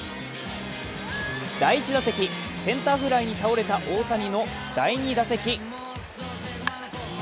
第１打席センターフライに倒れた大谷の第２打席。